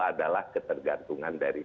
adalah ketergantungan dari